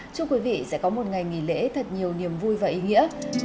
chúc quý vị sẽ có một ngày nghỉ lễ thật nhiều niềm vui và ý nghĩa